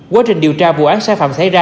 quá trình điều tra vụ án sai phạm xảy ra